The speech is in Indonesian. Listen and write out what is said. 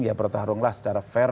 ya bertarunglah secara fair